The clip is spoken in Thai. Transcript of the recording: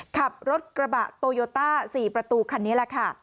ขับรถกระบะโตโยต้า๔ประตูคันนี้แหละค่ะ